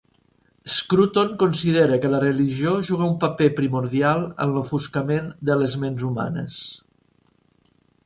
Scruton considera que la religió juga un paper primordial en l'"ofuscament" de les ments humanes.